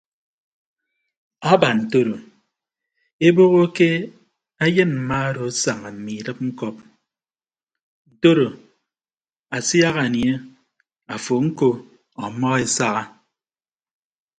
Aba ntoro eboho ke ayịn mma odo asaña mme idịp ñkọp ntodo asiak anie afo ñko ọmmọ esaha.